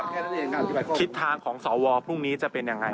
คุณหมดที่มันความเห็นจากงาน